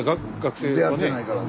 スタジオ出会ってないからね。